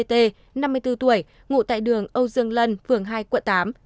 bà htb năm mươi bốn tuổi ngụ tại đường âu dương lân phường hai quận tám